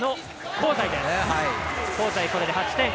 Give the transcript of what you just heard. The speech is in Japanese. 香西、これで８点。